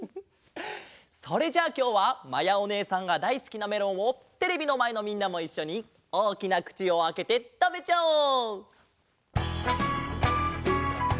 それじゃあきょうはまやおねえさんがだいすきなメロンをテレビのまえのみんなもいっしょにおおきなくちをあけてたべちゃおう！